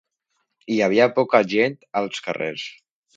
Hi havia poca gent als carrers.